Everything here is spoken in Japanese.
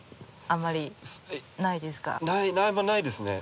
あんまりないですね。